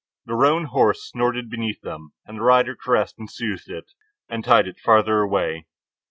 The roan horse snorted beneath them, and the rider caressed and soothed it and tied it farther away.